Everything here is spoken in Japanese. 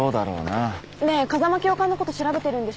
ねえ風間教官のこと調べてるんでしょ？